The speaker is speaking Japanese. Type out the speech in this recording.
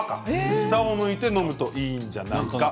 下を向いてのむといいんじゃないか。